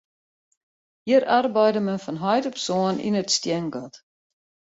Hjir arbeide men fan heit op soan yn it stiengat.